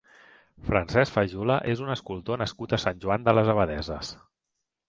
Francesc Fajula és un escultor nascut a Sant Joan de les Abadesses.